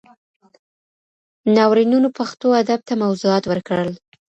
ناورینونو پښتو ادب ته موضوعات ورکړل.